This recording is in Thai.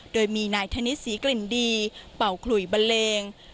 โดยมีนายธนิสีกลิ่นดีเป่าขลุยเบลง